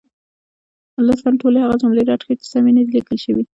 لطفا ټولې هغه جملې رد کړئ، چې سمې نه دي لیکل شوې.